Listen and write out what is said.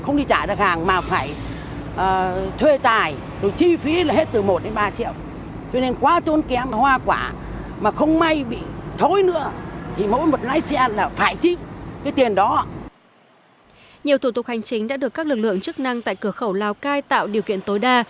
nhiều thủ tục hành chính đã được các lực lượng chức năng tại cửa khẩu lào cai tạo điều kiện tối đa